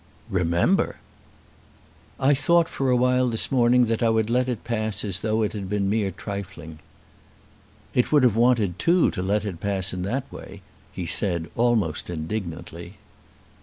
"Remember!" "I thought for a while this morning that I would let it pass as though it had been mere trifling." "It would have wanted two to let it pass in that way," he said, almost indignantly.